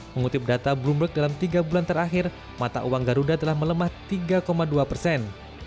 mengutip data bloomberg dalam tiga bulan terakhir mata uang garuda telah melemah tiga dua persen